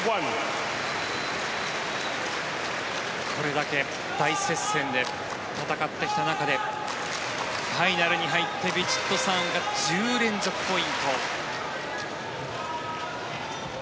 これだけ大接戦で戦ってきた中でファイナルに入ってヴィチットサーンが１０連続ポイント。